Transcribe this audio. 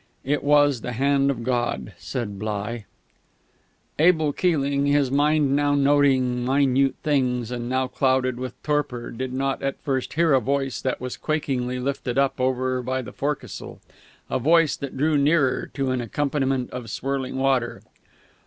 It was the Hand of God, said Bligh.... Abel Keeling, his mind now noting minute things and now clouded with torpor, did not at first hear a voice that was quakingly lifted up over by the forecastle a voice that drew nearer, to an accompaniment of swirling water.